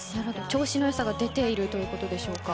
調子のよさが出ているということでしょうか。